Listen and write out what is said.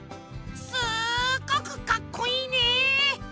すっごくかっこいいね！